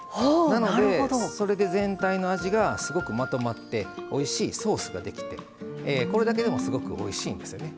なのでそれで全体の味がすごくまとまっておいしいソースができてこれだけでもすごくおいしいんですよね。